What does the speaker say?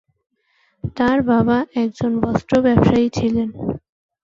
তাঁর বাবা একজন বস্ত্র ব্যবসায়ী ছিলেন।